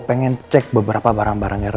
gue pengen cek beberapa barang barangnya roy